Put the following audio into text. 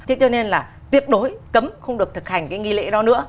thế cho nên là tuyệt đối cấm không được thực hành cái nghi lễ đó nữa